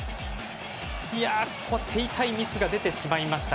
手痛いミスが出てしまいました。